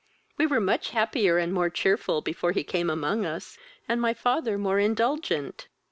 We were much happier and more cheerful before he came among us, and my father more indulgent."